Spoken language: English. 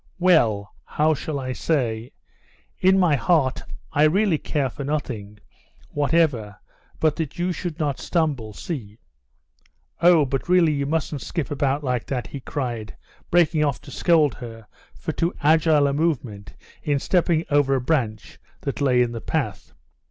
"Well, how shall I say?... In my heart I really care for nothing whatever but that you should not stumble—see? Oh, but really you mustn't skip about like that!" he cried, breaking off to scold her for too agile a movement in stepping over a branch that lay in the path.